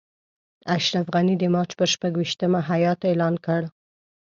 اشرف غني د مارچ پر شپږویشتمه هیات اعلان کړ.